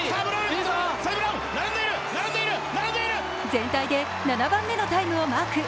全体で７番目のタイムをマーク。